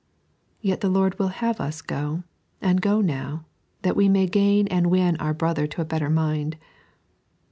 Yet the Lord will have us go, and go now, that we may gain and win our brother to a better mind.